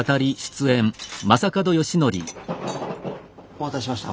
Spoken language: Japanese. お待たせしました。